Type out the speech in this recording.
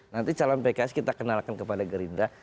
nanti calon pks kita kenalkan kepada gerindra